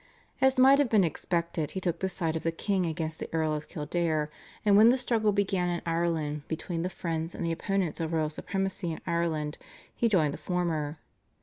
As might have been expected he took the side of the king against the Earl of Kildare, and when the struggle began in Ireland between the friends and the opponents of royal supremacy in Ireland he joined the former.